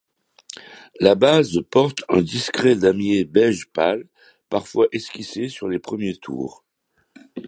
La base porte un discret damier beige pâle, parfois esquissé sur les premiers tours.